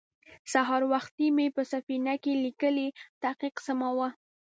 سهار وختې مې په سفينه کې ليکلی تحقيق سماوه.